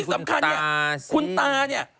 สำคัญเนี่ยคุณตาเนี่ย